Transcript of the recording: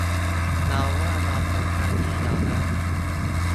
เราว่าเราป้องกันดีแล้วนะ